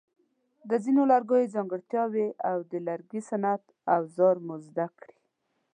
د ځینو لرګیو ځانګړتیاوې او د لرګي صنعت اوزار مو زده کړي.